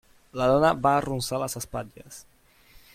La dona va arronsar les espatlles.